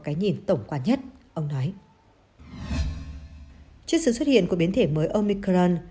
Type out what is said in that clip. cái nhìn tổng quan nhất ông nói trước sự xuất hiện của biến thể mới omicron